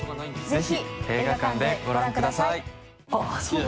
ぜひ映画館でご覧ください。